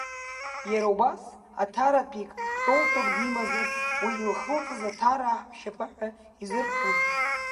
Иара убас, Аҭаратәык Кутолтәык димазар, уи илхылҵыз аҭараа ҳаҳәшьаԥа ҳәа изырҳәон.